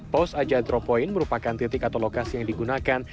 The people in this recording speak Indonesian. pos aja drop point merupakan titik atau lokasi yang digunakan